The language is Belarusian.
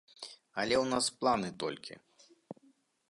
Але ў нас планы толькі.